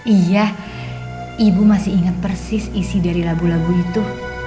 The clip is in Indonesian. iya ibu masih ingat persis isi dari lagu lagu itu